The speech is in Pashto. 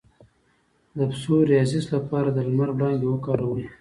د پسوریازیس لپاره د لمر وړانګې وکاروئ